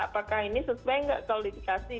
apakah ini sesuai nggak kalau dikasih